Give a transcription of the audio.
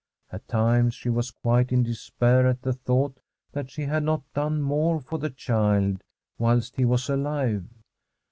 At times she was quite in despair at the thought that she had not done more for the child whilst he was alive.